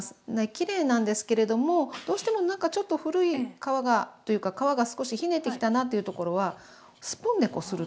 きれいなんですけれどもどうしてもなんかちょっと古い皮がというか皮が少しひねてきたなというところはスプーンでこすると。